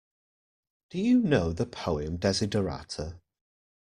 Do you know the poem Desiderata?